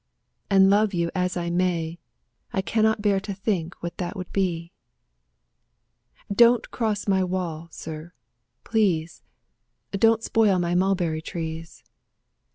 And love you as I may, I cannot bear to think what that would be. Don't cross my wall, sir, please! Don't spoil my mulberry trees!